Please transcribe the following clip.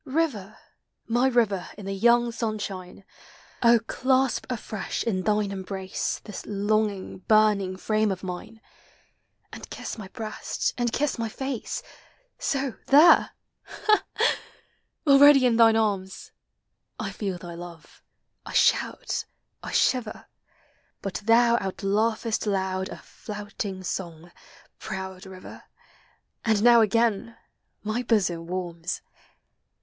River! my river in the young sunshine! Oh, clasp afresh in thine embrace This longing, burning frame of mine, And kiss my breast, and kiss my face! So — there! — Ha, ha! — already in thine arms! I feel thy love — I shout — I shiver; But thou outlaughest loud a flouting song, proud river, And now again my bosom warms!